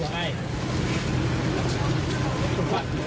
เวเยยงยันว่ามันนี้